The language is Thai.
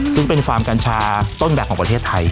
ซึ่งเป็นฟาร์มกัญชาต้นแบบของประเทศไทย